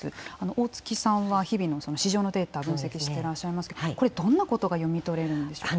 大槻さんは日々の市場のデータを分析していますがどんなことが読み取れるんでしょうか？